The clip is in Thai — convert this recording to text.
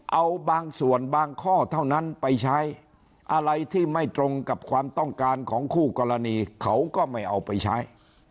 เอาบางส่วนบางข้อเท่านั้นไปใช้อะไรที่ไม่ตรงกับความต้องการของคู่กรณีเขาก็ไม่เอาไปใช้